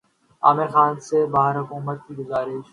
عامر خان سے بہار حکومت کی گزارش